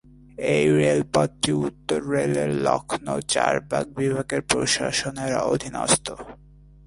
এই রেলপথটি উত্তর রেলের লখনউ চারবাগ বিভাগের প্রশাসনের অধীনস্থ।